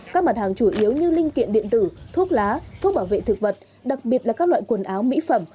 các mặt hàng chủ yếu như linh kiện điện tử thuốc lá thuốc bảo vệ thực vật đặc biệt là các loại quần áo mỹ phẩm